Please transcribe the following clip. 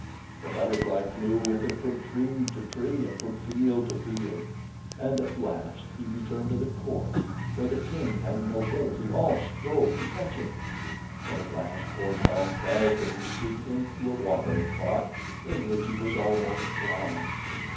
The butterfly flew with him from tree to tree and from field to field, and at last he returned to the court, where the King and nobility all strove to catch him; but at last poor Tom fell from his seat into a watering pot, in which he was almost drowned.